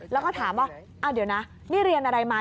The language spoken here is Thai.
แล้วก็ถามว่าเดี๋ยวนะนี่เรียนอะไรมา